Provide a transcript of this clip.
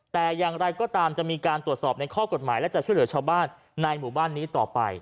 แต่อย่างไรก็ตามจะมีการตรวจสอบในข้อกฎหมายและจะช่วยเหลือชาวบ้านในหมู่บ้านนี้ต่อไป